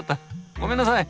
ごめんなさい。